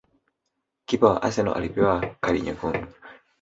Kipa wa Arsenal alipewa kadi nyekundu